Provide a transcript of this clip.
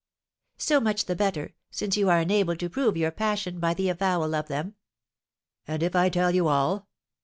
"So much the better, since you are enabled to prove your passion by the avowal of them." "And if I tell you all?"